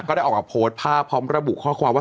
ก็ได้ออกมาโพสต์ภาพพร้อมระบุข้อความว่า